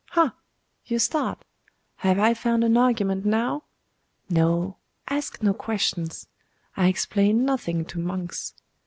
Ah! you start. Have I found you an argument now? No ask no questions. I explain nothing to monks.